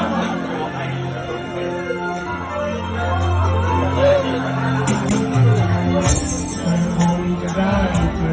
มันกลัวได้เจอ